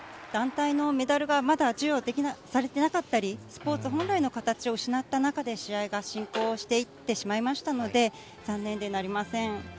団体のメダルがまだ授与されてなかったり、スポーツ本来の形を失った中で試合が進行していってしまいましたので、残念でなりません。